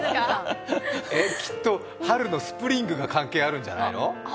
きっと、春のスプリングが関係あるんじゃないの？